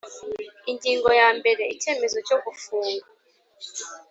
Ingingo ya mbere Icyemezo cyo gufunga